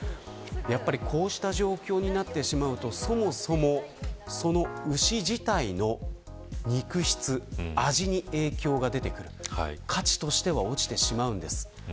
こうした状況になってしまうとそもそも牛自体の肉質、味に影響が出てくるので価値としては落ちてしまうんです。